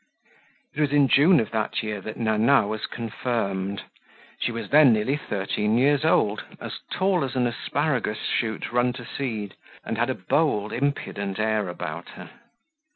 It was in June of that year that Nana was confirmed. She was then nearly thirteen years old, as tall as an asparagus shoot run to seed, and had a bold, impudent air about her.